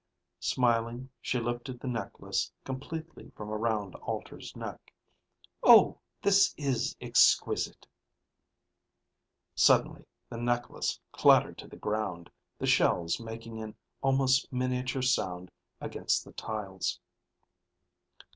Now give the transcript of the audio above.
Smiling, she lifted the necklace completely from around Alter's neck. "Oh, this is exquisite ..." Suddenly the necklace clattered to the ground, the shells making an almost miniature sound against the tiles.